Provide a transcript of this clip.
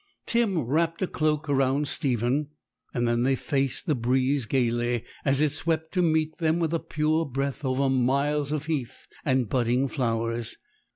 Tim wrapped a cloak round Stephen; and then they faced the breeze gaily, as it swept to meet them with a pure breath over miles of heath and budding flowers.